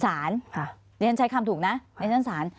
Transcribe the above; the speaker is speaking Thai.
สารดีเซ็นใช้คำถูกนะ